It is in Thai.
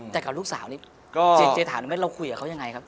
แต่กับลูกสาวนี้เจนเจนถามนึงว่าเราคุยกับเขายังไงครับ